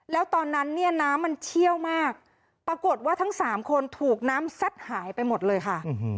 แล้วตอนนั้นเนี่ยน้ำมันเชี่ยวมากปรากฏว่าทั้งสามคนถูกน้ำซัดหายไปหมดเลยค่ะ